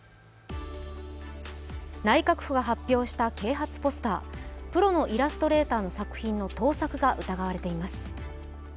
内閣府が発表した啓発ポスタープロのイラストレーターの盗作が指摘されています。